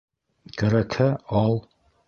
- Кәрәкһә, ал.